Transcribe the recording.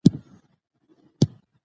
پښتو زده کړه په ذهن فشار نه راوړي.